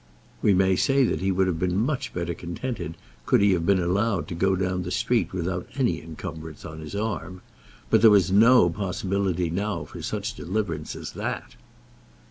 We may say that he would have been much better contented could he have been allowed to go down the street without any encumbrance on his arm. But there was no possibility now for such deliverance as that.